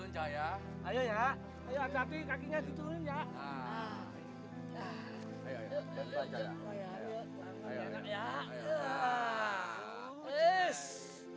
ini cahaya anak tunggalnya bu lasmi